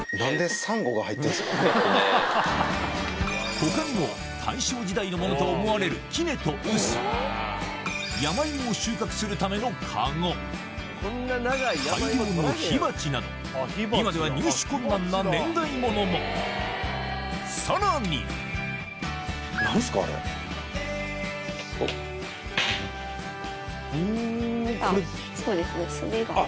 他にも大正時代のものと思われる杵と臼大量の火鉢など今では入手困難な年代物もさらにそうですね炭が。